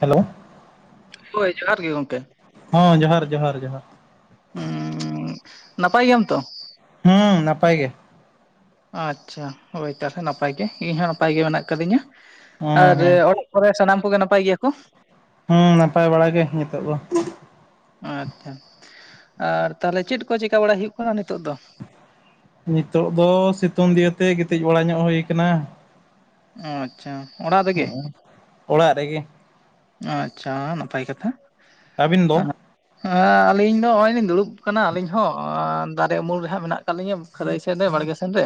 Hello ᱦᱳᱭ ᱡᱚᱦᱟᱨ ᱜᱮ ᱜᱚᱢᱠᱮ ᱦᱚᱸ ᱡᱚᱦᱟᱨ ᱡᱚᱦᱟᱨ ᱡᱚᱦᱟᱨ ᱦᱩᱸ ᱱᱟᱯᱟᱭ ᱜᱮᱭᱟᱢ ᱛᱚ ᱦᱩᱸ ᱱᱟᱯᱟᱭ ᱜᱮ ᱟᱪᱷᱟ ᱦᱳᱭ ᱛᱟᱦᱚᱞᱮ ᱱᱟᱯᱟᱭ ᱜᱮ ᱤᱧ ᱦᱚᱸ ᱱᱟᱯᱟᱭ ᱜᱮ ᱢᱮᱱᱟᱜ ᱟᱠᱟᱫᱤᱧᱟ ᱦᱩᱸ ᱟᱨ ᱦᱩᱸ ᱚᱲᱟᱜ ᱠᱚᱨᱮ ᱥᱟᱱᱟᱢ ᱠᱚᱜᱮ ᱱᱟᱯᱟᱭ ᱜᱮᱭᱟ ᱠᱚ ᱦᱩᱸ ᱱᱟᱯᱟᱭ ᱵᱟᱲᱟ ᱜᱮ ᱱᱤᱛᱚᱜ ᱫᱚ ᱟᱪᱷᱟ ᱟᱨ ᱛᱟᱦᱚᱞᱮ ᱪᱮᱫ ᱠᱚ ᱪᱮᱠᱟ ᱵᱟᱲᱟᱭ ᱦᱩᱭᱩᱜ ᱠᱟᱱᱟ ᱱᱤᱛᱚ ᱫᱚ ᱱᱤᱛᱚᱜ ᱫᱚ ᱥᱤᱛᱩᱝ ᱫᱤᱭᱮᱛᱮ ᱜᱤᱛᱤᱡ ᱵᱟᱲᱟ ᱧᱚᱜ ᱦᱩ ᱟᱠᱟᱱᱟ ᱚ ᱟᱪᱷᱟ ᱚᱲᱟᱜ ᱨᱮᱜᱮ ᱦᱚᱸᱜᱼᱚᱭ ᱚᱲᱟᱜ ᱨᱮᱜᱮ ᱟᱪᱷᱟ ᱱᱟᱯᱟᱭ ᱠᱟᱛᱷᱟ ᱟᱹᱟᱵᱤᱱ ᱫᱚ ᱦᱟᱸ ᱟᱞᱤᱧ ᱫᱚ ᱱᱚᱜ ᱚᱭ ᱞᱤᱧ ᱫᱩᱲᱩᱵ ᱟᱠᱟᱱᱟ ᱟᱞᱤᱧ ᱦᱚᱸ ᱫᱟᱨᱮ ᱩᱢᱩᱞ ᱨᱮᱦᱟᱸᱜ ᱢᱮᱱᱟᱜ ᱟᱠᱟᱫ ᱞᱤᱧᱟ ᱠᱷᱟᱨᱟᱭ ᱥᱮᱫ ᱨᱮ ᱵᱟᱲᱜᱮ ᱥᱮᱱᱨᱮ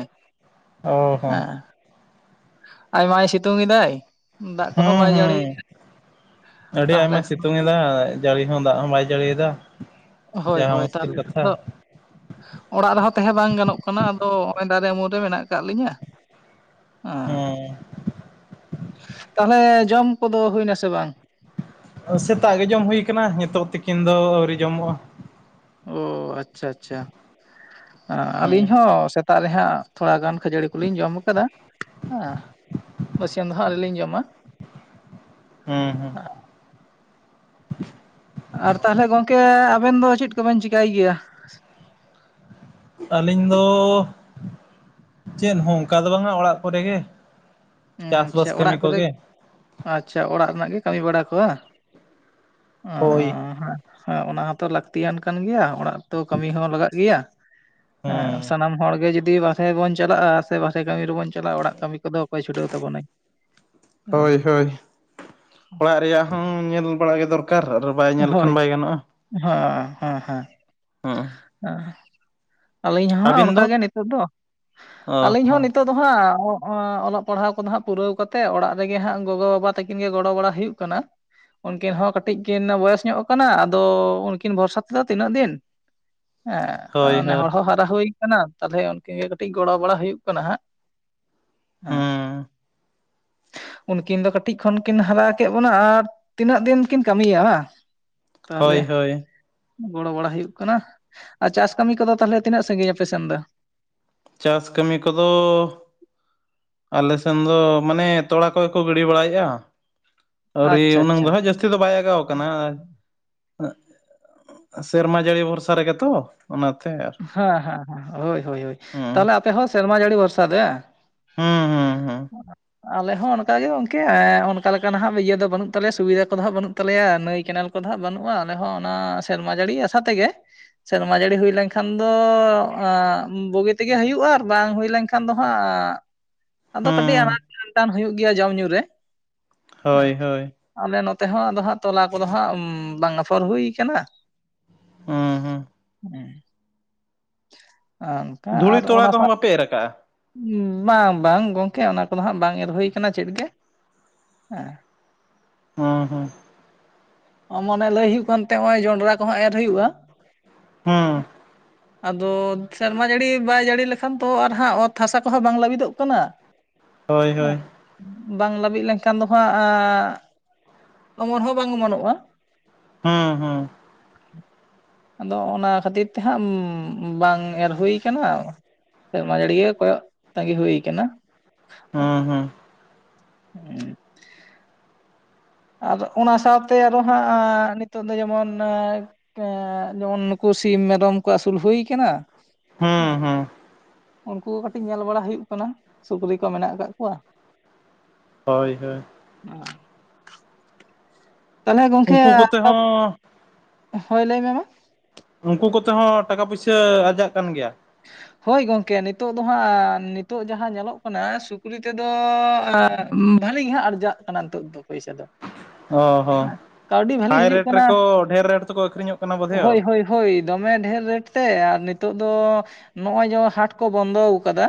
ᱚ ᱦᱚᱸ ᱦᱮᱸ ᱟᱭᱢᱟᱭ ᱥᱤᱛᱩᱝ ᱮᱫᱟᱭ ᱫᱟᱜ ᱠᱚᱦᱚᱸ ᱦᱩᱸ ᱵᱟᱭ ᱦᱩᱸ ᱡᱟᱹᱲᱤᱭᱮᱫ-ᱟ ᱟᱹᱰᱤ ᱛᱟᱦᱚᱞᱮ ᱟᱭᱢᱟᱭ ᱠᱷᱟᱱ ᱥᱤᱛᱩᱝ ᱮᱫᱟ ᱡᱟᱹᱲᱤ ᱦᱚᱸ ᱫᱟᱜ ᱦᱚᱸ ᱵᱟᱭ ᱡᱟᱹᱲᱤᱭᱮᱫᱟ ᱦᱳᱭ ᱡᱟᱦᱟᱸ ᱦᱳᱭ ᱢᱩᱥᱠᱤᱞ ᱛᱟᱦᱚᱞᱮ ᱠᱷᱟᱱ ᱠᱟᱛᱷᱟ ᱫᱚ ᱚᱲᱟᱜ ᱨᱮᱦᱚᱸ ᱛᱟᱦᱮᱸ ᱵᱟᱝ ᱜᱟᱱᱚᱜ ᱠᱟᱱᱟ ᱟᱫᱚ ᱱᱚᱜ-ᱚᱭ ᱫᱟᱨᱮ ᱩᱢᱩᱞ ᱨᱮ ᱢᱮᱱᱟᱜ ᱟᱠᱟᱫ ᱞᱤᱧᱟᱹ ᱦᱮᱸ ᱦᱮᱸ ᱛᱟᱦᱚᱞᱮ ᱡᱚᱢ ᱠᱚᱫᱚ ᱦᱩᱭᱱᱟᱥᱮ ᱵᱟᱝ ᱥᱮᱛᱟᱜ ᱜᱮ ᱡᱚᱢ ᱦᱩᱭ ᱠᱟᱱᱟ ᱱᱤᱛᱚᱜ ᱛᱤᱠᱤᱱ ᱫᱚ ᱟᱹᱣᱨᱤ ᱡᱚᱢᱚᱜᱼᱟ ᱚ ᱟᱪᱷᱟ ᱟᱪᱷᱟ ᱟᱹᱞᱤᱧ ᱦᱩᱸ ᱦᱚᱸ ᱥᱮᱛᱟᱜ ᱨᱮᱦᱟᱸᱜ ᱛᱷᱚᱲᱟ ᱜᱟᱱ ᱠᱷᱟᱹᱡᱟᱹᱲᱤ ᱠᱚᱞᱤᱧ ᱡᱚᱢ ᱟᱠᱟᱫᱟ ᱟᱸ ᱵᱟᱥᱭᱟᱹᱢ ᱫᱚ ᱦᱟᱸᱜ ᱟᱣ. ᱨᱤ ᱞᱤᱧ ᱡᱚᱢᱟ ᱦᱚᱸ ᱦᱚᱸ ᱟᱨ ᱛᱟᱦᱚᱞᱮ ᱜᱚᱢᱠᱮ ᱟᱵᱮᱱ ᱫᱚ ᱪᱮᱫ ᱠᱚᱵᱮᱱ ᱪᱤᱠᱟᱹᱭ ᱜᱮᱭᱟ ᱟᱹᱞᱤᱧ ᱫᱚ ᱪᱮᱫ ᱦᱚᱸ ᱚᱱᱠᱟ ᱫᱚ ᱵᱟᱝᱟ ᱚᱲᱟᱜ ᱠᱚᱨᱮ ᱜᱮ ᱟᱪᱷᱟ ᱪᱟᱥᱵᱟᱥ ᱠᱟᱹᱢᱤ ᱚᱲᱟᱜ ᱠᱚᱨᱮ ᱠᱚᱜᱮ ᱟᱪᱷᱟ ᱚᱲᱟᱜ ᱨᱮᱱᱟᱜ ᱜᱮ ᱠᱟᱹᱢᱤ ᱵᱟᱲᱟ ᱠᱚ ᱵᱟᱝ, ᱚ ᱦᱳᱭ ᱦᱮᱸ ᱦᱮᱸ ᱚᱱᱟ ᱦᱚᱸᱛᱚ ᱞᱟᱹᱠᱛᱤᱭᱟᱱ ᱠᱟᱱ ᱜᱮᱭᱟ ᱚᱲᱟᱜ ᱨᱮ ᱛᱚ ᱠᱟᱹᱢᱤ ᱦᱚᱸ ᱞᱟᱜᱟᱜ ᱜᱮᱭᱟ ᱥᱟ ᱦᱮᱸ ᱥᱟᱱᱟᱢ ᱦᱚᱲ ᱜᱮ ᱡᱩᱫᱤ ᱵᱟᱨᱦᱮ ᱵᱚᱱ ᱪᱟᱞᱟᱜᱼᱟ ᱥᱮ ᱵᱟᱨᱦᱮ ᱠᱟᱹᱢᱤ ᱨᱮᱵᱚᱱ ᱪᱟᱞᱟᱜᱼᱟ ᱚᱲᱟᱜ ᱠᱟᱹᱢᱤ ᱠᱚᱫᱚ ᱚᱠᱚᱭ ᱪᱷᱩᱴᱟᱹᱣ ᱛᱟᱵᱚᱱᱟᱭ ᱦᱮᱸ ᱦᱳᱭ ᱦᱳᱭ ᱚᱲᱟᱜ ᱨᱮᱭᱟᱜ ᱦᱚᱸ ᱧᱮᱞ ᱵᱟᱲᱟ ᱜᱮ ᱫᱚᱨᱠᱟᱨ ᱟᱨ ᱵᱟᱭ ᱧᱮᱞ ᱦᱳᱭ ᱞᱮᱠᱷᱟᱱ ᱵᱟᱭ ᱜᱟᱱᱚᱜᱼᱟ ᱦᱮᱸ ᱦᱮᱸ ᱦᱮᱸ ᱦᱮᱸ ᱦᱮᱸ ᱟᱹᱞᱤᱧ ᱦᱚᱸ ᱟᱹᱵᱤᱱ ᱚᱱᱠ ᱫᱚ ᱜᱮ ᱱᱤᱛᱚᱜ ᱫᱚ ᱟᱹᱞᱤᱧ ᱦᱚᱸ ᱱᱤᱛᱚᱜ ᱫᱚ ᱦᱟᱸᱜ ᱚᱞᱚᱜ ᱯᱟᱲᱦᱟᱣ ᱠᱚᱫᱚ ᱦᱟᱸᱜ ᱯᱩᱨᱟᱹᱣ ᱠᱟᱛᱮᱜ ᱚᱲᱟᱜ ᱨᱮᱜᱮ ᱦᱟᱸᱜ ᱜᱚᱜᱚ ᱵᱟᱵᱟ ᱛᱟᱹᱠᱤᱱ ᱜᱮ ᱜᱚᱲᱚ ᱵᱟᱲᱟ ᱦᱩᱭᱩᱜ ᱠᱟᱱᱟ ᱩᱱᱠᱤᱱ ᱦᱚᱸ ᱠᱟᱹᱴᱤᱡ ᱠᱤᱱ ᱵᱚᱭᱮᱥ ᱧᱚᱜ ᱠᱟᱱᱟ ᱟᱫᱚ ᱩᱱᱠᱤᱱ ᱵᱷᱚᱨᱥᱟ ᱛᱮᱫᱚ ᱛᱤᱱᱟᱹᱜ ᱫᱤᱱ ᱦᱳᱭ ᱦᱮᱸ ᱱᱮ ᱦᱳᱭ ᱦᱚᱲ ᱦᱚᱸ‌ ᱦᱟᱨᱟ ᱦᱩᱭ ᱠᱟᱱᱟ ᱛᱟᱦᱞᱮ ᱩᱱᱠᱤᱱ ᱜᱮ ᱠᱟᱹᱴᱤᱡ ᱜᱚᱲᱚ ᱵᱟᱲᱟ ᱦᱩᱭᱩᱜ ᱠᱟᱱᱟ ᱦᱟᱸᱜ ᱦᱮᱸ ᱩᱱᱠᱤᱱ ᱫᱚ ᱠᱟᱹᱴᱤᱡ ᱠᱷᱚᱱ ᱠᱤᱱ ᱦᱟᱨᱟ ᱠᱮᱫ ᱵᱚᱱᱟ ᱟᱨ ᱛᱤᱱᱟᱹᱜ ᱫᱤᱱ ᱠᱤᱱ ᱠᱟᱹᱢᱤᱭᱟ ᱵᱟᱝ ᱛᱟᱦᱚᱞᱮ ᱦᱳᱭ ᱦᱳᱭ ᱜᱚᱲᱚ ᱵᱟᱲᱟ ᱦᱩᱭᱩᱜ ᱠᱟᱱᱟ ᱟᱨ ᱪᱟᱥ ᱠᱟᱹᱢᱤ ᱠᱚᱫᱚ ᱛᱟᱦᱚᱞᱮ ᱛᱤᱱᱟᱹᱜ ᱥᱟᱺᱜᱤᱧ ᱟᱯᱮ ᱥᱮᱱᱫᱚ ᱪᱟᱥ ᱠᱟᱹᱢᱤ ᱠᱚᱫᱚ ᱟᱞᱮᱥᱮᱱ ᱫᱚ ᱢᱟᱱᱮ ᱛᱚᱲᱟ ᱠᱚ ᱜᱮᱠᱚ ᱜᱤᱰᱤ ᱵᱟᱲᱟᱭᱮᱫᱼᱟ ᱟᱹᱣᱨᱤ ᱟᱪᱪᱷᱟ ᱩᱱᱟᱹᱝ ᱟᱪᱪᱷᱟ ᱫᱚ ᱦᱟᱸᱜ ᱡᱟᱹᱥᱛᱤ ᱫᱚ ᱵᱟᱭ ᱟᱜᱟᱣ ᱠᱟᱱᱟ ᱥᱮᱨᱢᱟ ᱡᱟᱹᱲᱤ ᱵᱷᱚᱨᱥᱟ ᱨᱮᱜᱮ ᱛᱚ ᱚᱱᱟᱛᱮ ᱟᱨ ᱦᱮᱸ ᱦᱮᱸ ᱦᱳᱭ ᱦᱳᱭ ᱦᱳᱭ ᱦᱮᱸ ᱛᱟᱦᱞᱮ ᱟᱯᱮ ᱦᱚᱸ ᱥᱮᱨᱢᱟ ᱡᱟᱹᱲᱤ ᱵᱷᱚᱨᱥᱟ ᱫᱮ ᱦᱮᱸ ᱦᱮᱸ ᱦᱮᱸ ᱵᱟᱝ ᱦ [unintelligible] ᱟᱞᱮ ᱦᱚᱸ ᱚᱱᱠᱟ ᱜᱮ ᱜᱚᱝᱠᱮ ᱚᱱᱠᱟ ᱞᱮᱠᱟᱱᱟᱜ ᱦᱟᱸᱜ ᱤᱭᱟᱹ ᱫᱚ ᱵᱟᱹᱱᱩᱜ ᱛᱟᱞᱮᱭᱟ ᱥᱩᱵᱤᱫᱟ ᱠᱚ ᱦᱟᱸᱜ ᱵᱟᱹᱱᱩᱜ ᱛᱟᱞᱮᱭᱟ ᱱᱟᱹᱭ ᱠᱮᱱᱮᱞ ᱠᱚᱫᱚ ᱦᱟᱸᱜ ᱵᱟᱹᱱᱩᱜᱼᱟ ᱟᱞᱮ ᱦᱚᱸ ᱚᱱᱟ ᱥᱮᱨᱢᱟ ᱡᱟᱹᱲᱤ ᱟᱥᱟ ᱛᱮᱜᱮ ᱥᱮᱨᱢᱟ ᱡᱟᱹᱲᱤ ᱦᱩᱭ ᱞᱮᱱᱠᱷᱟᱱ, ᱮᱠᱷᱟᱱ ᱫᱚ ᱵᱩᱜᱤ ᱛᱮᱜᱮ ᱦᱩᱭᱩᱜᱼᱟ ᱟᱨ ᱵᱟᱝ ᱦᱩᱭ ᱞᱮᱱᱠᱷᱟᱱ ᱫᱚ ᱦᱟᱸᱜ, ᱟᱫᱚ ᱠᱟᱹᱴᱤᱡ ᱦᱮᱸ ᱟᱱᱟᱴ ᱠᱷᱟᱱᱴᱟᱱ ᱦᱩᱭᱩᱜ ᱜᱮᱭᱟ ᱡᱚᱢ ᱧᱩ ᱨᱮ ᱦᱮᱸ ᱦᱳᱭ ᱦᱳᱭ ᱟᱞᱮ ᱱᱚᱛᱮ ᱦᱚᱸ ᱟᱫᱚ ᱦᱟᱸᱜ ᱛᱚᱞᱟ ᱠᱚᱫᱚ ᱦᱟᱸᱜ ᱵᱟᱝ ᱟᱯᱷᱚᱨ ᱦᱩᱭ ᱠᱟᱱᱟ ᱦᱮᱸ ᱦᱮᱸ ᱦᱮᱸ ᱚᱱᱠᱟ ᱫᱷᱩᱲᱤ ᱟᱨ ᱛᱚᱲᱟ ᱚᱱᱟ ᱥᱟᱶ ᱠᱚᱦᱚᱸ ᱵᱟᱯᱮ ᱮᱨ ᱠᱟᱜᱼᱟ ᱵᱟᱝ ᱵᱟᱝ ᱜᱚᱝᱠᱮ ᱚᱱᱟ ᱠᱚᱫᱚ ᱦᱟᱜ ᱵᱟᱝ ᱮᱨ ᱦᱩᱭᱠᱟᱱᱟ ᱪᱮᱫ ᱜᱮ ᱦᱮᱸ ᱦᱚᱸ ᱦᱚᱸ ᱢᱟᱱᱮ ᱞᱟᱹᱭ ᱦᱩᱭᱩᱜ ᱠᱟᱱᱛᱮᱼᱚᱭ ᱡᱚᱱᱰᱨᱟ ᱠᱚᱦᱚᱸ ᱮᱨ ᱦᱩᱭᱩᱜᱼᱟ ᱦᱮᱸ ᱟᱫᱚ ᱥᱮᱨᱢᱟ ᱡᱟᱹᱲᱤ ᱵᱟᱭ ᱡᱟᱹᱲᱤ ᱞᱮᱠᱷᱟᱱ ᱛᱚ ᱟᱨᱦᱟᱸᱜ ᱚᱛ ᱦᱟᱥᱟ ᱠᱚᱦᱚᱸ ᱵᱟᱝ ᱞᱟᱵᱤᱫᱚᱜ ᱠᱟᱱᱟ ᱦᱳᱭ ᱦᱮᱸ ᱦᱳᱭ ᱵᱟᱝ ᱞᱟᱹᱵᱤᱫ ᱞᱮᱱᱠᱷᱟᱱ ᱫᱚ ᱦᱟᱜ ᱚᱢᱚᱱ ᱦᱚᱸ ᱵᱟᱝ ᱚᱢᱚᱱᱚᱜᱼᱟ ᱦᱚᱸ ᱦᱚᱸ ᱟᱫᱚ ᱚᱱᱟ ᱠᱷᱟᱹᱛᱤᱨ ᱛᱮᱦᱟᱸᱜ ᱵᱟᱝ ᱮᱨ ᱦᱩᱭ ᱠᱟᱱᱟ ᱥᱮᱨᱢᱟ ᱡᱟᱹᱲᱤ ᱜᱮ ᱠᱚᱭᱚᱜ ᱛᱟᱸᱜᱤ ᱦᱩᱭ ᱠᱟᱱᱟ ᱾ ᱦᱮᱸ ᱦᱮᱸ ᱾ ᱦᱩᱸᱜ ᱩᱸ ᱾ ᱟᱨ ᱚᱱᱟ ᱥᱟᱶᱛᱮ ᱟᱨᱚ ᱦᱟᱸᱜ ᱱᱤᱛᱚᱜ ᱫᱚ ᱡᱮᱢᱚᱱ ᱮᱸ ᱡᱮᱢᱚᱱ ᱱᱩᱠᱩ ᱥᱤᱢ ᱢᱮᱨᱚᱢ ᱠᱚ ᱟᱹᱥᱩᱞ ᱦᱩᱭ ᱠᱟᱱᱟ ᱾ ᱦᱩᱸ ᱦᱩᱸ ᱩᱱᱠᱩ ᱜᱮ ᱠᱟᱹᱴᱤᱡ ᱧᱮᱞ ᱵᱟᱲᱟ ᱦᱩᱭᱩᱜ ᱠᱟᱱᱟ, ᱥᱩᱠᱨᱤ ᱠᱚ ᱢᱮᱱᱟᱜ ᱟᱠᱟᱫ ᱠᱚᱣᱟ ᱾ ᱦᱳᱭ ᱦᱳᱭ ᱾ ᱟ [unintelligible] ᱛᱟᱦᱚᱞᱮ ᱜᱚᱢᱠᱮ, ᱩᱱᱠᱩ ᱠᱚᱛᱮ ᱦᱚᱸ ᱦᱳᱭ ᱞᱟᱹᱭ ᱢᱮ ᱢᱟ ᱾ ᱩᱱᱠᱩ ᱠᱚᱛᱮ ᱦᱚᱸ ᱴᱟᱠᱟ ᱯᱩᱭᱥᱟᱹ ᱟᱨᱡᱟᱜ ᱠᱟᱱ ᱜᱮᱭᱟ? ᱦᱳᱭ ᱜᱚᱝᱠᱮ ᱱᱤᱛᱚᱜ ᱫᱚ ᱦᱟᱸᱜ ᱱᱤᱛᱚᱜ ᱡᱟᱦᱟᱸ ᱧᱮᱞᱚᱜ ᱠᱟᱱᱟ ᱥᱩᱠᱨᱤ ᱛᱮᱫᱚᱻ ᱟᱸ ᱵᱷᱟᱞᱤ ᱜᱮ ᱦᱟᱸᱜ ᱟᱨᱡᱟᱜ ᱠᱟᱱᱟ ᱱᱤᱛᱚᱜ ᱫᱚ ᱯᱚᱭᱥᱟ ᱫᱚ ᱾ ᱦᱚᱸ ᱦᱚᱸ ᱦᱟᱭ ᱦᱤᱡᱩᱜ ᱨᱮᱴ ᱠᱟᱱᱟ ᱨᱮᱠᱚ ᱰᱷᱮᱨ ᱨᱮᱴ ᱛᱮᱠᱚ ᱟᱹᱠᱷᱨᱤᱧᱚᱜ ᱠᱟᱱᱟ ᱵᱳᱫᱷᱚᱭᱚ ᱦᱳᱭ ᱾ ᱦᱳᱭ ᱦᱳᱭ ᱫᱚᱢᱮ ᱰᱷᱮᱨ ᱨᱮᱴ ᱛᱮ ᱟᱨ ᱱᱤᱛᱚᱜ ᱫᱚ ᱱᱚᱭᱚᱜ ᱡᱮ ᱦᱟᱴ ᱠᱳ ᱵᱚᱱᱫᱚᱣ ᱠᱟᱫᱟ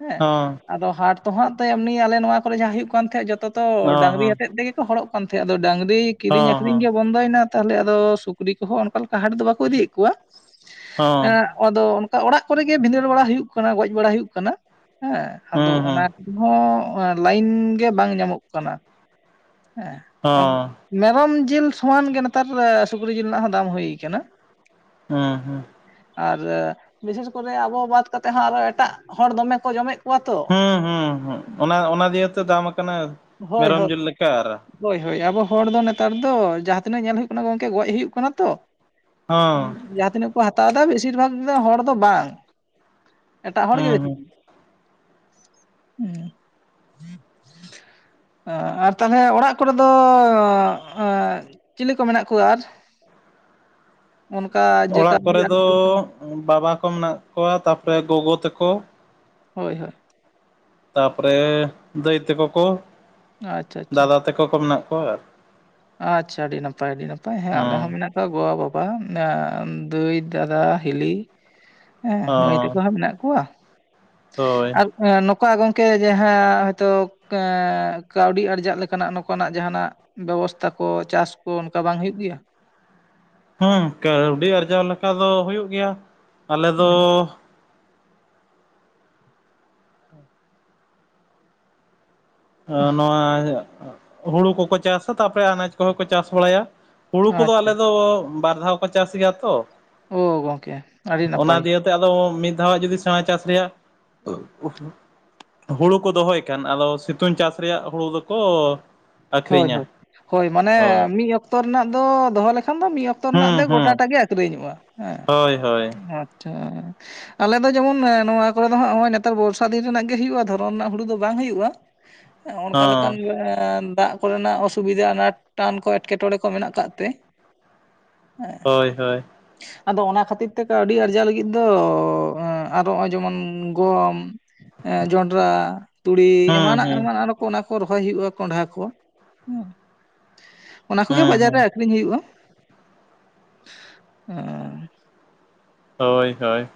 ᱦᱮᱸ᱾ ᱦᱚᱸ ᱟᱫᱚ ᱦᱟᱴ ᱛᱚ ᱦᱟᱸᱜ ᱛᱮ ᱮᱢᱱᱤ ᱟᱞᱮ ᱱᱚᱣᱟ ᱠᱚᱨᱮ ᱡᱟᱦᱟᱸ ᱦᱩᱭᱩᱜ ᱠᱟᱱ ᱛᱷᱮ ᱡᱚᱛᱚᱼᱼ ᱛᱚ ᱚ ᱰᱟᱝᱨᱤ ᱦᱚᱸ ᱦᱚᱛᱮᱫ ᱛᱮᱜᱮ ᱠᱚ ᱦᱚᱲᱚᱜ ᱠᱟᱱ ᱛᱷᱮ ᱟᱫᱚ ᱰᱟᱝᱨᱤ ᱠᱤᱨᱤᱧ ᱦᱚᱸ ᱦᱚᱸ ᱟᱠᱷᱨᱤᱧ ᱜᱮ ᱵᱚᱱᱫᱚᱭᱱᱟ ᱛᱟᱦᱚᱞᱮ ᱟᱫᱚ ᱥᱩᱠᱨᱤ ᱠᱚᱦᱚᱸ ᱚᱱᱠᱟ ᱞᱮᱠᱟ ᱦᱟᱴ ᱫᱚ ᱵᱟᱝᱠᱩ ᱤᱫᱤᱭᱮᱫ ᱠᱚᱣᱟ᱾ ᱟᱫᱚ ᱚᱱᱠᱟ ᱚᱲᱟᱜ ᱠᱚᱨᱮ ᱜᱮ ᱵᱷᱤᱸᱫᱟᱹᱲ ᱵᱟᱲᱟ ᱦᱩᱭᱩᱜ ᱠᱟᱱᱟ ᱜᱚᱡ ᱵᱟᱲᱟ ᱦᱩᱭᱩᱜ ᱠᱟᱱᱟ᱾ ᱦᱮᱸ ᱦᱚᱸ ᱟᱫᱚ ᱦᱩᱸ ᱦᱩᱸ ᱚᱱᱟ ᱠᱩᱦᱚᱸ ᱞᱟᱭᱤᱱ ᱜᱮ ᱵᱟᱝ ᱧᱟᱢᱚᱜ ᱠᱟᱱᱟ᱾ ᱦᱚᱸ ᱦᱮᱸ ᱢᱮᱨᱚᱢ ᱡᱤᱞ ᱥᱚᱢᱟᱱ ᱜᱮ ᱱᱮᱛᱟᱨ ᱥᱩᱠᱨᱤ ᱡᱤᱞ ᱨᱮᱱᱟᱜ ᱦᱚᱸ ᱫᱟᱢ ᱦᱩᱭ ᱠᱟᱱᱟ᱾ ᱦᱩᱸ ᱦᱩᱸ ᱟᱨ ᱵᱤᱥᱮᱥ ᱠᱚᱨᱮ ᱟᱵᱚ ᱵᱟᱫ ᱠᱟᱛᱮ ᱦᱚᱸ ᱟᱨᱚ ᱮᱴᱟᱜ ᱦᱚᱲ ᱫᱚᱢᱮ ᱠᱚ ᱡᱚᱢᱮᱫ ᱠᱚᱣᱟ ᱛᱚ, ᱦᱩᱸ ᱦᱩᱸ ᱦᱩᱸ ᱚᱱᱟ ᱚᱱᱟ ᱫᱤᱭᱮ ᱛᱮ ᱫᱟᱢ ᱟᱠᱟᱱᱟ᱾ ᱦᱳᱭ ᱢᱮᱨᱚᱢ ᱦᱳᱭ ᱡᱤᱞ ᱞᱮᱠᱟ ᱟᱨ ᱦᱳᱭ ᱦᱳᱭ ᱟᱵᱚ ᱦᱚᱲ ᱫᱚ ᱱᱮᱛᱟᱨ ᱫᱚ ᱡᱟᱦᱟᱸ ᱛᱤᱱᱟᱹᱜ ᱧᱮᱞ ᱦᱩᱭᱩᱜ ᱠᱟᱱᱟ ᱜᱚᱝᱠᱮ ᱜᱚᱡ ᱦᱩᱭᱩᱜ ᱠᱟᱱᱟ ᱛᱚ, ᱦᱚᱸ ᱡᱟᱦᱟᱸ ᱛᱤᱱᱟᱹᱜ ᱠᱚ ᱦᱟᱛᱟᱣ ᱫᱟ ᱵᱮᱥᱤᱨ ᱵᱷᱟᱜ ᱦᱚᱲ ᱫᱚ ᱵᱟᱝ ᱮᱴᱟᱜ ᱦᱚᱲ ᱜᱮ ᱦᱩᱸ ᱦᱮᱸᱼᱼ ᱦᱩᱸ ᱟᱨ ᱛᱟᱦᱚᱞᱮ ᱚᱲᱟᱜ ᱠᱚᱨᱮ ᱫᱚᱻᱚᱻ ᱪᱤᱞᱤ ᱠᱚ ᱢᱮᱱᱟᱜ ᱠᱚᱣᱟ ᱟᱨ? ᱩᱱᱠᱟ ᱡᱮ [inaudible] ᱚᱲᱟᱜ ᱠᱚᱨᱮ ᱫᱚ ᱵᱟᱵᱟ, ᱠᱚ ᱢᱮᱱᱟᱜ ᱠᱚᱣᱟ ᱛᱟᱯᱚᱨᱮ ᱜᱚᱜᱚ, ᱛᱟᱠᱚ ᱦᱳᱭ ᱦᱳᱭ᱾ ᱛᱟᱯᱚᱨᱮᱻ ᱫᱟᱹᱭ ᱛᱟᱠᱚ ᱠᱚᱼᱼ ᱟᱪᱷᱟ ᱪᱷᱟ, ᱫᱮᱠᱚ ᱠᱚ ᱢᱮᱱᱟᱜ ᱠᱚᱣᱟ ᱟᱪᱷᱟ ᱟᱹᱰᱤ ᱱᱟᱯᱟᱭ ᱟᱹᱰᱤ ᱱᱟᱯᱟᱭ ᱦᱮᱸ ᱟᱞᱮ ᱦᱚᱸ ᱢᱮᱱᱟᱜᱼᱼ ᱜᱚ ᱵᱟᱵᱟ ᱱᱟᱻ ᱫᱹᱭ ᱫᱟᱫᱟ ᱦᱤᱞᱤ ᱦᱮᱸ ᱚ ᱢᱟᱹᱭ ᱛᱟᱠᱚ ᱦᱚᱸ ᱢᱮᱱᱟᱜ ᱠᱚᱣᱟ? ᱦᱳᱭ ᱮ ᱱᱚᱠᱟ ᱜᱚᱝᱠᱮ ᱡᱟᱦᱟᱸ ᱦᱚᱳᱭᱛᱚ ᱠᱟᱻ ᱠᱟᱹᱣᱰᱤ ᱟᱨᱡᱟᱜ ᱞᱮᱠᱟᱱᱟᱜ ᱱᱚᱝᱠᱟᱱᱟᱜ ᱡᱟᱦᱟᱱᱟᱜ ᱵᱮᱵᱚᱥ ᱛᱟᱠᱚ ᱪᱟᱥ ᱠᱚ ᱚᱱᱠᱟ ᱵᱟᱝ ᱦᱩᱭᱩᱜ ᱜᱮᱭᱟ, ᱦᱩᱸ ᱠᱟᱹᱣᱰᱤ ᱟᱨᱡᱟᱣ ᱞᱮᱠᱟ ᱫᱚ ᱦᱩᱭᱩᱜ ᱜᱮᱭᱟ, ᱟᱞᱮ ᱫᱚ ᱟ ᱱᱚᱣᱟ ᱦᱩᱲᱩ ᱠᱚᱠᱚ ᱪᱟᱥ-ᱟ ᱛᱟᱯᱚᱨᱮ ᱟᱱᱟᱡ ᱠᱚᱦᱚᱸ ᱠᱚ ᱪᱟᱥ ᱵᱟᱲᱟᱭᱟ, ᱦᱩᱲᱩ ᱠᱚᱫᱚ ᱟᱪᱪᱷᱟ ᱟᱞᱮ ᱫᱚ ᱵᱟᱨ ᱫᱷᱟᱣ ᱠᱚ ᱪᱟᱥ ᱜᱮᱭᱟ ᱛᱚ ᱚᱻ ᱜᱚᱢᱠᱮ ᱟᱹᱰᱤ ᱱᱟᱯᱟᱭ ᱛᱮ ᱟᱫᱚ ᱢᱤᱫ ᱫᱷᱟᱣ ᱡᱚᱫᱤ ᱥᱮᱬᱟ ᱪᱟᱥ ᱨᱮᱭᱟᱜ ᱦᱩᱲᱩ ᱠᱚ ᱫᱚᱦᱚᱭ ᱠᱷᱟᱱ ᱟᱫᱚ ᱥᱤᱛᱩᱝ ᱪᱟᱥ ᱨᱮᱭᱟᱜ ᱦᱩᱲᱩ ᱫᱚᱠᱚ ᱦᱳᱭ ᱟᱠᱷᱨᱤᱧᱟ ᱦᱳᱭ ᱦᱳᱭ ᱢᱟᱱᱮ ᱦᱳᱭ ᱢᱤᱫ ᱚᱠᱛᱚ ᱨᱮᱱᱟᱜ ᱫᱚ ᱫᱚᱦᱚ ᱞᱮᱠᱷᱟᱱ ᱫᱚ ᱢᱤᱫ ᱚᱠᱛᱚ ᱡᱚᱛᱚ ᱨᱮᱱᱟᱜ ᱦᱩᱸ ᱫᱚ ᱦᱩᱸ ᱜᱚᱴᱟᱴᱟᱜ ᱜᱮ ᱟᱠᱷᱨᱤᱧᱚᱜ-ᱟ ᱦᱮᱸ᱾ ᱦᱳᱭ ᱦᱳᱭ ᱟᱪᱪᱷᱟ, ᱟᱞᱮ ᱫᱚ ᱡᱮᱢᱚᱱ ᱱᱚᱣᱟ ᱠᱚᱨᱮ ᱫᱚ ᱦᱟᱸ ᱱᱚᱜ-ᱚᱭ ᱱᱮᱛᱟᱨ ᱵᱚᱨᱥᱟ ᱫᱤᱱ ᱨᱮᱱᱟᱜ ᱜᱮ ᱦᱩᱭᱩᱜ-ᱟ ᱫᱷᱚᱨᱚᱱ ᱨᱮᱱᱟᱜ ᱦᱩᱲᱩ ᱫᱚ ᱵᱟᱝ ᱦᱩᱭᱩᱜ-ᱟ᱾ ᱚᱱᱠᱟ ᱞᱮᱠᱟᱱ ᱦᱚᱸ ᱜᱮ ᱠᱚᱨᱮᱱᱟᱜ ᱚᱥᱩᱵᱤᱫᱟ ᱚᱱᱟ ᱴᱟᱱ ᱠᱚ ᱮᱴᱠᱮᱴᱚᱨᱮ ᱠᱚ ᱢᱮᱱᱟᱜ ᱠᱟᱜ ᱛᱮ᱾ ᱦᱳᱭ ᱦᱳᱭ᱾ [unintelligible] ᱟᱫᱚ ᱚᱱᱟ ᱠᱷᱟᱹᱛᱤᱨ ᱛᱮᱫᱚ ᱠᱟᱣᱰᱤ ᱞᱟᱹᱜᱤᱫ ᱫᱚ ᱟᱨᱚ ᱱᱚᱜ-ᱚᱭ ᱡᱮᱢᱚᱱ ᱜᱚᱢ ᱮᱸ ᱡᱚᱱᱰᱨᱟ ᱛᱩᱲᱤ ᱦᱩᱸ ᱮᱢᱟᱱᱟᱜ ᱦᱩᱸ ᱮᱢᱟᱱᱟᱜ ᱟᱨᱚ ᱠᱚ ᱚᱱᱟ ᱠᱚ ᱨᱚᱦᱚᱭ ᱦᱩᱭᱩᱜᱼᱟ ᱠᱚᱸᱱᱰᱷᱟ ᱠᱚᱼᱼ ᱦᱩᱸ ᱚᱱᱟ ᱠᱩᱜᱤ ᱦᱩᱸ ᱵᱟᱡᱟᱨ ᱦᱩᱸ ᱨᱮᱼᱼ ᱟᱠᱷᱨᱤᱧ ᱦᱩᱭᱩᱜ-ᱟ ᱦᱳᱭ ᱦᱳᱭ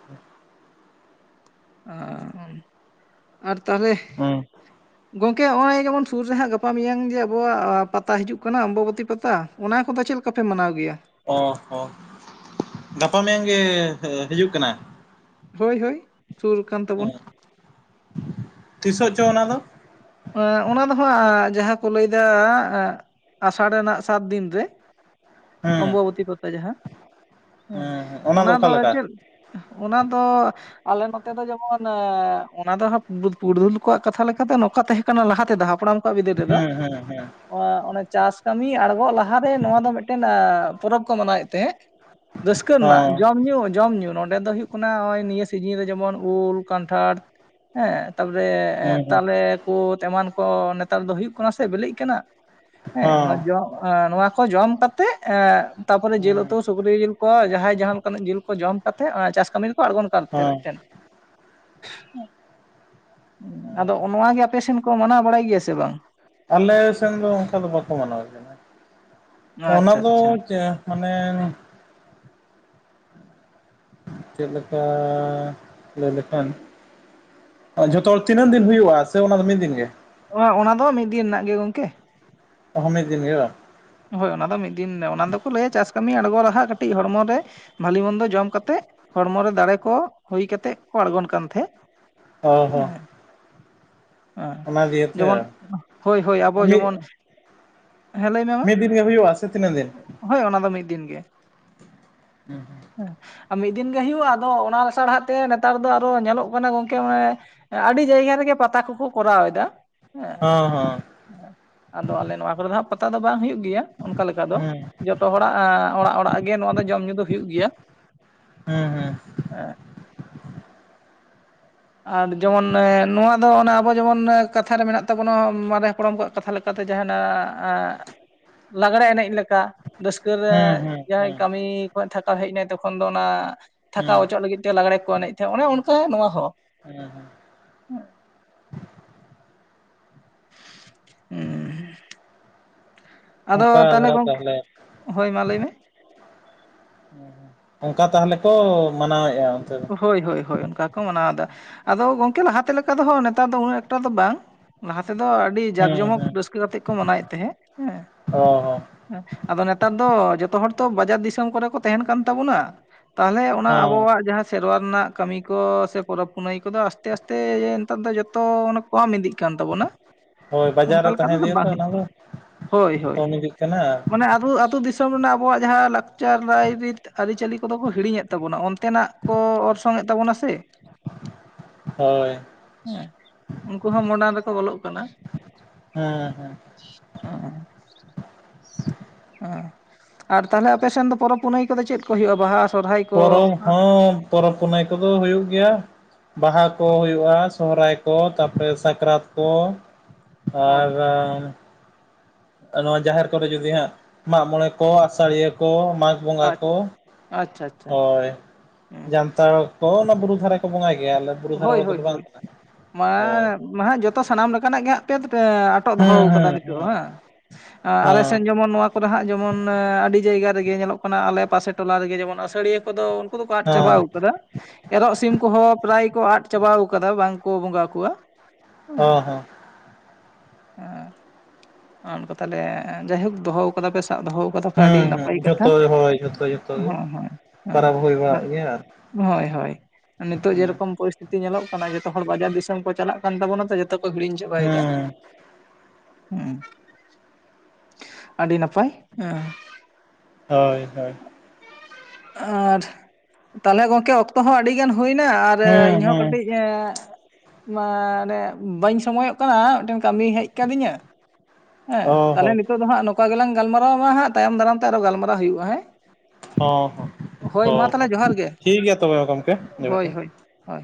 ᱚᱸ ᱟᱨ ᱛᱟᱦᱚᱞᱮᱼᱼ ᱦᱚᱸ - [inaudible] ᱜᱚᱝᱠᱮ ᱦᱚᱸᱜᱼᱚᱭ ᱡᱮᱢᱚᱱ ᱥᱩᱨ ᱨᱮᱦᱟᱸᱜ ᱜᱟᱯᱟ ᱢᱮᱭᱟᱝ ᱜᱮ ᱟᱵᱚᱣᱟᱜ ᱯᱟᱛᱟ ᱦᱤᱡᱩᱜ ᱠᱟᱱᱟ ᱚᱢᱵᱟᱱᱚᱛᱤ ᱯᱟᱛᱟ ᱚᱱᱟ ᱠᱚᱫᱚ ᱪᱮᱫ ᱞᱮᱠᱟ ᱯᱮ ᱢᱟᱱᱟᱣ ᱜᱮᱭᱟ? ᱚ ᱦᱚᱸ ᱜᱟᱯᱟ ᱢᱮᱭᱟᱝ ᱜᱮ ᱦᱤᱡᱩᱜ ᱠᱟᱱᱟ ᱾ ᱦᱳᱭ ᱦᱳᱭ ᱥᱩᱨ ᱠᱟᱱ ᱛᱟᱵᱚᱱ ᱦᱮᱸ ᱾ ᱛᱤᱥᱚᱜ ᱪᱚ ᱚᱱᱟ ᱫᱚ? ᱚᱱᱟ ᱫᱚ ᱦᱟᱸᱜ ᱡᱟᱦᱟᱸ ᱠᱚ ᱞᱟᱹᱭ ᱫᱟ, ᱟᱥᱟᱲ ᱨᱮᱱᱟᱜ ᱥᱟᱛ ᱫᱤᱱ ᱨᱮ ᱾ ᱦᱮᱸ ᱚᱢᱵᱟᱵᱚᱛᱤ ᱠᱚᱛᱟ ᱡᱟᱦᱟᱸ ᱦᱮᱸ ᱚᱱᱟ ᱫᱚ ᱪᱮᱫ ᱚᱱᱟ ᱫᱚ ᱟᱞᱮ ᱱᱚᱛᱮ ᱫᱚ ᱡᱮᱢᱚᱱ ᱮᱸᱻ ᱚᱱᱟ ᱫᱚ ᱦᱟᱸᱜ ᱵᱩᱫ ᱯᱩᱲᱫᱷᱩᱞ ᱠᱚᱣᱟᱜ ᱠᱟᱛᱷᱟ ᱞᱮᱠᱟᱛᱮ ᱱᱚᱝᱠᱟ ᱛᱟᱦᱮᱸ ᱠᱟᱱᱟ ᱞᱟᱦᱟ ᱛᱮᱫᱚ ᱦᱟᱯᱲᱟᱢ ᱠᱚᱣᱟᱜ ᱵᱤᱫᱟᱹᱞ ᱨᱮᱫᱚ ᱦᱮᱸ ᱦᱮᱸ ᱦᱮᱸ ᱚᱸ ᱚᱱᱟ ᱪᱟᱥ ᱠᱟᱹᱢᱤ ᱟᱬᱜᱚᱜ ᱞᱟᱦᱟ ᱨᱮ ᱱᱚᱣᱟ ᱫᱚ ᱢᱤᱫ ᱢᱤᱫᱴᱮᱱ ᱯᱚᱨᱚᱵᱽ ᱠᱚ ᱢᱟᱱᱟᱣᱮᱫ ᱛᱟᱦᱮᱸᱜ, ᱨᱟᱹᱥᱠᱟᱹ ᱨᱮᱱᱟᱜ ᱦᱚᱸ ᱡᱚᱢ ᱧᱩ ᱡᱚᱢ ᱧᱩ ᱾ ᱱᱚᱸ ᱱᱚᱸᱰᱮ ᱫᱚ ᱦᱩᱭᱩᱜ ᱠᱟᱱᱟ ᱚᱭ ᱱᱤᱭᱟᱹ ᱥᱤᱡᱤᱱ ᱨᱮ ᱡᱮᱢᱚᱱ ᱩᱞ, ᱠᱟᱱᱴᱷᱟᱲ ᱦᱮᱸ ᱾ ᱛᱟᱯᱚᱨᱮ ᱦᱮᱸ ᱦᱮᱸ ᱛᱟᱞᱮ, ᱠᱚᱫ ᱮᱢᱟᱱ ᱠᱚ ᱱᱮᱛᱟᱨ ᱫᱚ ᱦᱩᱭᱩᱜ ᱠᱟᱱᱟ ᱥᱮ ᱵᱮᱞᱤᱜ ᱠᱟᱱᱟ ᱦᱮᱸ ᱦᱚᱸ ᱱᱚᱣᱟ ᱡᱚᱢ ᱱᱚᱣᱟ ᱠᱚ ᱡᱚᱢ ᱠᱟᱛᱮ ᱮᱸᱜ ᱛᱟᱯᱚᱨᱮ ᱡᱤᱞ ᱦᱮᱸ ᱩᱛᱩ ᱥᱩᱠᱨᱤ ᱡᱤᱞ ᱠᱚ ᱡᱟᱦᱟᱸᱭ ᱡᱟᱦᱟᱸ ᱞᱮᱟᱱᱟᱜ ᱡᱮᱞ ᱡᱚᱢ ᱠᱟᱛᱮᱫ ᱚᱱᱟ ᱪᱟᱥ ᱠᱟᱹᱢᱤ ᱨᱮᱠᱚ ᱟᱬᱜᱚᱱ ᱠᱟᱱ ᱛᱟᱦᱮᱸ ᱦᱚᱸ ᱢᱮᱫ ᱴᱮᱱ ᱾ ᱟᱫᱚ ᱦᱮᱸ ᱱᱚᱣᱟ ᱜᱮ ᱟᱯᱮ ᱥᱮᱱ ᱠᱚ ᱢᱟᱱᱟᱣ ᱵᱟᱲᱟᱭ ᱜᱮᱭᱟ ᱥᱮ ᱵᱟᱝ? ᱟᱞᱮ ᱥᱮᱱ ᱫᱚ ᱚᱱᱠᱟ ᱫᱚ ᱵᱟᱠᱚ ᱢᱟᱱᱟᱣ ᱠᱮᱱᱟ ᱚᱱᱟ ᱟᱪᱪᱷᱟ ᱫᱚ ᱟᱪᱪᱷᱟ ᱪᱮᱫ ᱢᱟᱱᱮ ᱪᱮᱫ ᱞᱮᱠᱟ ᱞᱟᱹᱭ ᱞᱮᱠᱷᱟᱱ ᱡᱷᱚᱛᱚ ᱦᱚᱲ ᱛᱤᱱᱟᱹᱜ ᱫᱤᱱ ᱦᱩᱭᱩᱜ-ᱟ? ᱥᱮ ᱚᱱᱟ ᱫᱚ ᱢᱤᱫ ᱫᱤᱱ ᱜᱮ? ᱚ ᱚᱱᱟ ᱫᱚ ᱢᱤᱫ ᱫᱤᱱ ᱨᱮᱱᱟᱜ ᱜᱮ ᱜᱚᱝᱠᱮ᱾ ᱚᱦᱚ ᱢᱤᱫ ᱫᱤᱱ ᱜᱮ ᱵᱟ ᱾ ᱦᱳᱭ ᱚᱱᱟ ᱫᱚ ᱢᱤᱫ ᱫᱤᱱ ᱚᱱᱟ ᱫᱚᱠᱚ ᱞᱟᱹᱭᱟ ᱪᱟᱥ ᱠᱟᱹᱢᱤ ᱟᱬᱜᱚ ᱞᱟᱦᱟᱜ ᱠᱟᱹᱴᱤᱡ ᱦᱚᱲᱢᱚ ᱨᱮ ᱵᱷᱟᱞᱤ ᱢᱚᱱᱫᱚ ᱡᱚᱢ ᱠᱟᱛᱮᱫ ᱦᱚᱲᱢᱚᱨᱮ ᱫᱟᱲᱮ ᱠᱚ ᱦᱩᱭ ᱠᱟᱛᱮᱫ ᱠᱚ ᱟᱲᱜᱚᱱ ᱠᱟᱱ ᱛᱟᱦᱮᱸᱫ ᱾ ᱦᱮᱸ ᱦᱮᱸ ᱺ ᱦᱮᱸ, ᱡᱮᱢᱚᱱ ᱫᱤᱭᱮᱛᱮ ᱦᱳᱭ ᱦᱳᱭ ᱟᱵᱚ ᱢᱤᱫ ᱡᱮᱢᱚᱱ, ᱦᱮᱸ ᱞᱟᱹᱭ ᱢᱮ ᱢᱟ ᱾ ᱦᱩᱭᱩᱜ-ᱟ ᱥᱮ ᱛᱤᱱᱟᱹᱜ ᱫᱤᱱ? ᱦᱳᱭ ᱚᱱᱟ ᱫᱚ ᱢᱤᱫ ᱫᱤᱱ ᱜᱮ ᱾ [unintelligible] ᱦᱮᱸ ᱟᱨ ᱢᱤᱫ ᱫᱤᱱ ᱜᱮ ᱦᱩᱭᱩᱜᱼᱟ ᱟᱫᱚ ᱚᱱᱟ ᱞᱮᱥᱟᱲᱦᱮᱜ ᱛᱮ ᱱᱮᱛᱟᱨ ᱫᱚ ᱟᱨᱚ ᱧᱮᱞᱚᱜ ᱠᱟᱱᱟ ᱜᱚᱝᱠᱮ [unintelligible] ᱦᱮᱸ ᱟᱹᱰᱤ ᱡᱟᱭᱜᱟ ᱨᱮᱜᱮ ᱯᱟᱛᱟ ᱠᱚᱠᱚ ᱠᱚᱨᱟᱣ ᱮᱫᱟ ᱦᱮᱸ, ᱦᱚᱸ ᱦᱚᱸ ᱦᱮᱸ ᱟᱫᱚ ᱟᱞᱮ ᱱᱚᱣᱟ ᱠᱚᱨᱮ ᱫᱚ ᱦᱟᱜ ᱯᱟᱛᱟ ᱫᱚ ᱵᱟᱝ ᱦᱩᱭᱩᱜ ᱜᱮᱭᱟ ᱚᱱᱠᱟ ᱞᱮᱠᱟ ᱫᱚ ᱦᱮᱸ ᱡᱚᱛᱚ ᱦᱚᱲᱟᱜ ᱚᱲᱟᱜ ᱚᱲᱟᱜ ᱜᱮ ᱱᱚᱣᱟ ᱫᱚ ᱡᱚᱢ ᱧᱩ ᱫᱚ ᱦᱩᱭᱩᱜ ᱜᱮᱭᱟ, ᱦᱮᱸ ᱦᱮᱸ ᱦᱮᱸ ᱾ ᱟᱨ ᱡᱮᱢᱚᱱ ᱱᱚᱣᱟ ᱫᱚ ᱚᱱᱟ ᱟᱵᱚ ᱡᱮᱢᱚᱱ ᱠᱟᱛᱷᱟ ᱨᱮ ᱢᱮᱱᱟᱜ ᱛᱟᱵᱚᱱᱟ ᱢᱟᱨᱮ ᱦᱟᱯᱲᱟᱢ ᱠᱚᱣᱟᱜ ᱠᱟᱛᱷᱟ ᱞᱮᱠᱟᱛᱮ ᱡᱟᱦᱟᱱᱟ ᱞᱟᱜᱽᱲᱮ ᱮᱱᱮᱡ ᱞᱮᱠᱟ ᱾ ᱨᱟᱹᱥᱠᱟᱹ ᱨᱮ ᱦᱮᱸ ᱦᱮᱸ ᱡᱟᱦᱟᱸᱭ ᱦᱮᱸ ᱠᱟᱹᱢᱤ ᱠᱷᱚᱡ ᱛᱷᱟᱠᱟᱣ ᱦᱮᱡ ᱮᱱᱟᱭ ᱛᱚᱠᱷᱚᱱ ᱫᱚ ᱚᱱᱟ ᱛᱷᱟᱠᱟᱣ ᱦᱮᱸ ᱚᱪᱚᱜ ᱞᱟᱹᱜᱤᱫ ᱪᱮᱫ ᱞᱟᱜᱽᱮ ᱠᱚ ᱮᱱᱮᱡ ᱛᱟᱦᱮᱸᱫ ᱚᱱᱮ ᱚᱱᱠᱟ ᱱᱚᱣᱟ ᱦᱚᱸ ᱦᱮᱸ ᱦᱮᱸ [inaudible] ᱟᱫᱚ ᱚᱝᱠᱟ ᱫᱷᱟᱨᱟ ᱜᱚᱝᱠᱮ ᱛᱟᱦᱚᱞᱮ ᱦᱳᱭ ᱢᱟ ᱞᱟᱹᱭ ᱢᱮ ᱚᱝᱠᱟ ᱛᱟᱦᱚᱞᱮ ᱠᱚ ᱢᱟᱱᱟᱣᱮᱫᱼᱟ ᱚᱱᱛᱮ ᱫᱚ ᱦᱳᱭ ᱦᱳᱭ ᱦᱳᱭ ᱚᱱᱠᱟ ᱠᱚ ᱢᱟᱱᱟᱣᱫᱟ ᱟᱫᱚ ᱜᱚᱝᱠᱮ ᱞᱟᱦᱟᱛᱮ ᱞᱮᱠᱟ ᱫᱚ ᱦᱟᱜ ᱱᱮᱛᱟᱨ ᱫᱚ ᱩᱱᱟᱹᱜ ᱮᱠᱴᱟ ᱫᱚ ᱵᱟᱝ ᱞᱟᱦᱟ ᱛᱮᱫᱚ ᱟᱹᱰᱤ ᱡᱟᱸᱠ ᱦᱮᱸ ᱡᱚᱢᱚᱠ ᱦᱮᱸ ᱨᱟᱹᱥᱠᱟᱹ ᱠᱟᱛᱮᱜ ᱠᱚ ᱢᱟᱱᱟᱭᱮᱫ ᱛᱟᱦᱮᱸᱜ ᱦᱮᱸ ᱚ ᱦᱚᱸ ᱦᱮᱸ ᱟᱫᱚ ᱱᱮᱛᱟᱨ ᱫᱚ ᱡᱚᱛᱚ ᱦᱚᱲ ᱛᱚ ᱵᱟᱡᱟᱨ ᱫᱤᱥᱚᱢ ᱠᱚᱨᱮ ᱠᱚ ᱛᱟᱦᱮᱱ ᱠᱟᱱ ᱛᱟᱵᱚᱱᱟ ᱛᱟᱦᱚᱞᱮ ᱚᱱᱟ ᱦᱚᱸ ᱟᱵᱚᱣᱟᱜ ᱡᱟᱦᱟᱸ ᱥᱮᱨᱣᱟ ᱨᱮᱱᱟᱜ ᱠᱟᱹᱢᱤ ᱠᱚ ᱥᱮ ᱯᱚᱨᱚᱵᱽ ᱯᱩᱱᱟᱹᱭ ᱠᱚᱫᱚ ᱟᱥᱛᱮ ᱟᱥᱛᱮ ᱱᱮᱛᱟᱨ ᱫᱚ ᱡᱚᱛᱚ ᱚᱱ ᱠᱚᱢ ᱤᱫᱤᱜ ᱠᱟᱱ ᱛᱟᱵᱚᱱᱟ ᱦᱳᱭ ᱵᱟᱡᱟᱨ ᱚᱱᱠᱟ ᱨᱮ ᱞᱮᱠᱟ ᱛᱟᱦᱮᱸ ᱛᱮᱫᱚ ᱫᱤᱭᱮ ᱛᱚ ᱵᱟᱝ ᱦᱩᱭᱩᱜ ᱚᱱᱟ ᱫᱚ ᱠᱟᱱᱟ ᱦᱳᱭ ᱦᱳᱭ ᱠᱚᱢ ᱤᱫᱤᱜ ᱠᱟᱱᱟ ᱢᱟᱱᱮ ᱟᱛᱳ ᱫᱤᱥᱚᱢ ᱫᱤᱥᱚᱢ ᱨᱮᱱᱟᱜ ᱟᱵᱚᱣᱟᱜ ᱡᱟᱦᱟᱸ ᱞᱟᱠᱪᱟᱨ ᱨᱟᱭᱼᱨᱤᱛ ᱟᱹᱨᱤᱪᱟᱹᱞᱤ ᱠᱚᱫᱚ ᱠᱚ ᱦᱤᱲᱤᱧᱮᱫ ᱛᱟᱵᱚᱱᱟ ᱚᱱᱛᱮᱱᱟᱜ ᱠᱚ ᱚᱨᱥᱚᱝᱮᱫ ᱛᱟᱵᱚᱱᱟ ᱥᱮ ᱦᱚᱭ ᱦᱮᱸ ᱩᱱᱠᱩ ᱦᱚᱸ ᱢᱚᱨᱰᱟᱱ ᱨᱮᱠᱚ ᱵᱚᱞᱚᱜ ᱠᱟᱱᱟ ᱦᱮᱸ ᱦᱮᱸ ᱦᱮᱸ ᱦᱚᱸᱜ-ᱚ ᱦᱮᱸ ᱟᱨ ᱛᱟᱦᱞᱮ ᱟᱯᱮ ᱥᱮᱱ ᱫᱚ ᱯᱚᱨᱚᱵᱽ ᱯᱩᱱᱟᱹᱭ ᱠᱚᱫᱚ ᱪᱮᱫ ᱠᱚ ᱦᱩᱭᱩᱜᱼᱟ ᱵᱟᱦᱟ ᱥᱚᱨᱦᱟᱭ ᱠᱚ ᱯᱚᱨᱚᱵᱽ ᱦᱚᱸ ᱯᱚᱨᱚᱵᱽ ᱯᱩᱱᱟᱹᱭ ᱠᱚᱫᱚ ᱦᱩᱭᱩᱜ ᱜᱮᱭᱟ ᱵᱟᱦᱟ ᱠᱚ ᱦᱩᱭᱩᱜᱼᱟ ᱥᱚᱦᱨᱟᱭ ᱠᱚ ᱛᱟᱨᱯᱚᱨᱮ ᱥᱟᱠᱨᱟᱛ ᱠᱚ ᱦᱳᱭ ᱟᱨ ᱱᱚᱣᱟ ᱡᱟᱦᱮᱨ ᱠᱚᱨᱮ ᱡᱩᱫᱤ ᱦᱟᱸᱜ ᱢᱟᱜ ᱢᱚᱬᱮ ᱠᱚ ᱟᱥᱟᱲᱤᱭᱟᱹ ᱠᱚ ᱢᱟᱜᱽ ᱵᱚᱸᱜᱟ ᱟᱪᱪᱷᱟ ᱠᱚ ᱟᱪᱪᱷᱟ ᱦᱳᱭ ᱦᱩᱸ ᱡᱟᱱᱛᱟᱲ ᱠᱚ ᱚᱱᱟ ᱵᱩᱨᱩ ᱫᱷᱟᱨᱟ ᱠᱚ ᱵᱚᱸᱟᱭ ᱜᱮᱭᱟ ᱟᱞᱮ ᱵᱩᱨᱩ ᱫᱷᱟᱨᱮ ᱦᱳᱭ ᱨᱮᱫᱚ ᱦᱳᱭ ᱵᱟᱝ ᱦᱳᱭ ᱠᱟᱱᱟ ᱦᱳᱭ ᱢᱟ ᱦᱟᱸᱜ ᱡᱚᱛᱚ ᱥᱟᱱᱟᱢ ᱞᱮᱠᱟᱱᱟᱜ ᱜᱮ ᱦᱟᱸᱜ ᱠᱮᱛ ᱟᱴᱚᱜ ᱫᱚᱦᱚ ᱠᱟᱫᱟ ᱱᱤᱛᱚᱜ ᱦᱮᱸ ᱦᱮᱸ ᱟᱞᱮᱥᱱ ᱡᱮᱢᱚᱱ ᱱᱚᱣᱟ ᱠᱚᱨᱮ ᱦᱟᱸᱜ ᱡᱮᱢᱚᱱ ᱟᱹᱰᱤ ᱡᱟᱭᱜᱟ ᱨᱮᱜᱮ ᱧᱮᱞᱚᱜ ᱠᱟᱱᱟ ᱟᱞᱮ ᱯᱟᱥᱮ ᱴᱚᱞᱟ ᱨᱮᱜᱮ ᱡᱮᱢᱚᱱ ᱟᱹᱥᱟᱹᱲᱤᱭᱟᱹ ᱩᱱᱠᱩ ᱫᱚᱠᱚ ᱟᱫ ᱪᱟᱵᱟᱣ ᱠᱟᱫᱟ ᱮᱨᱚᱜ ᱥᱤᱢ ᱠᱚᱦᱚᱸ ᱯᱨᱟᱭ ᱠᱚ ᱟᱫ ᱪᱟᱵᱟᱣ ᱟᱠᱟᱫᱟ ᱵᱟᱝ ᱠᱚ ᱵᱚᱸᱜᱟ ᱠᱚᱣᱟ ᱦᱮᱸ ᱦᱚᱸ ᱦᱚᱸ ᱚᱱᱠᱟ ᱛᱟᱦᱚᱞᱮ ᱡᱟᱭᱦᱳᱠ ᱫᱚᱦᱚ ᱠᱟᱫᱟ ᱯᱮ ᱥᱟᱵ ᱫᱚᱦᱚ ᱠᱟᱫᱟ ᱯᱮ ᱟᱹᱰᱤ ᱦᱮᱸ ᱦᱮᱸ ᱱᱟᱯᱟᱭ ᱠᱟᱛᱷᱟ ᱡᱷᱚᱛᱚ ᱦᱳᱭ ᱡᱷᱚᱛᱚ ᱡᱷᱚᱛᱚ ᱜᱮ ᱦᱮᱸ ᱦᱮᱸ ᱦᱮᱸ ᱯᱟᱨᱟᱵᱽ ᱦᱩᱭ ᱟᱸ ᱵᱟᱲᱟᱜ ᱜᱮᱭᱟ ᱟᱨ ᱦᱳᱭ ᱦᱳᱭ ᱱᱤᱛᱚᱜ ᱦᱮᱸ ᱡᱮᱨᱚᱠᱚᱢ ᱯᱚᱨᱤᱥ ᱛᱷᱤᱛᱤ ᱧᱮᱞᱚᱜ ᱠᱟᱱᱟ ᱡᱚᱛᱚ ᱦᱚᱲ ᱵᱟᱡᱟᱨ ᱫᱤᱥᱚᱢ ᱠᱚ ᱪᱟᱞᱟᱜ ᱠᱟᱱ ᱛᱟᱵᱚᱱᱟ ᱛ ᱡᱚᱛᱚ ᱠᱚ ᱦᱤᱲᱤᱧ ᱪᱟᱵᱟᱭᱮᱫᱟ, ᱦᱮᱸ ᱦᱮᱸ ᱟᱹᱰᱤ ᱱᱟᱯᱟᱭ ᱦᱮᱸ ᱦᱳᱭ ᱦᱳᱭ ᱟᱨ ᱛᱟᱦᱚᱞᱮ ᱜᱚᱝᱠᱮ ᱚᱠᱛᱚ ᱦᱚᱸ ᱟᱹᱰᱤ ᱜᱟᱱ ᱦᱩᱭᱱᱟ ᱟᱨ ᱟᱨ ᱦᱮᱸ ᱤᱧᱦᱚᱸ ᱦᱮᱸ ᱠᱟᱹᱴᱤᱡ ᱵᱟᱹᱧ ᱥᱚᱢᱚᱭᱚᱜ ᱠᱟᱱᱟ ᱢᱤᱫ ᱠᱟᱹᱢᱤ ᱦᱮᱡ ᱠᱟᱹᱫᱤᱧᱟ ᱦᱮᱸ ᱚ ᱛᱟᱦᱚᱞᱮ ᱦᱚᱸ ᱱᱤᱛᱚᱜ ᱫᱚ ᱦᱟᱸᱜ ᱚᱱᱠᱟ ᱜᱮᱞᱟᱝ ᱜᱟᱞᱢᱟᱨᱟᱣᱢᱟ ᱦᱟᱜ ᱛᱟᱭᱚᱢ ᱫᱟᱨᱟᱢ ᱛᱮ ᱟᱨᱚ ᱦᱟᱸᱜ ᱜᱟᱞᱢᱟᱨᱟᱣ ᱦᱩᱭᱩᱜᱼᱟ ᱦᱮᱸ ᱦᱚᱸ ᱦᱚᱸ ᱦᱳᱭ ᱦᱚᱸ ᱢᱟ ᱛᱟᱦᱚᱞᱮ ᱦᱚᱸ ᱡᱚᱦᱟᱨ ᱜᱮ ᱴᱷᱤᱠ ᱜᱮᱭᱟ ᱛᱚᱵᱮ ᱜᱚᱢᱠᱮ ᱡᱚᱦᱟᱨ ᱦᱳᱭ ᱜᱮ ᱦᱳᱭ ᱦᱳᱭ